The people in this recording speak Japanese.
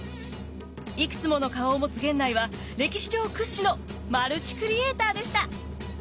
いくつもの顔を持つ源内は歴史上屈指のマルチクリエーターでした。